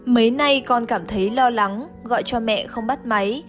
mấy nay con cảm thấy lo lắng gọi cho mẹ không bắt máy